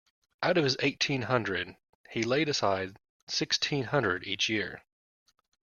Out of his eighteen hundred, he laid aside sixteen hundred each year.